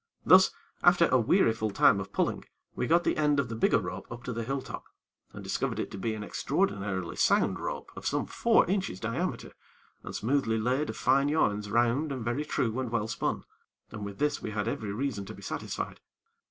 Thus, after a weariful time of pulling, we got the end of the bigger rope up to the hill top, and discovered it to be an extraordinarily sound rope of some four inches diameter, and smoothly laid of fine yarns round and very true and well spun, and with this we had every reason to be satisfied.